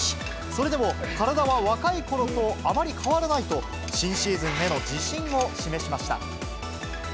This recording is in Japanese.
それでも、体は若いころとあまり変わらないと、新シーズンへの自信を示しました。